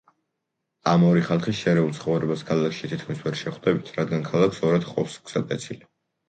ამ ორი ხალხის შერეულ ცხოვრებას ქალაქში თითქმის ვერ შევხვდებით, რადგან ქალაქს ორად ჰყოფს გზატკეცილი.